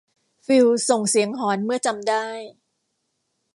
ฟิลส่งเสียงหอนเมื่อจำได้